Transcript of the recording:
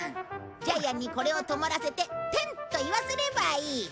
ジャイアンにこれをとまらせて「てん」と言わせればいい。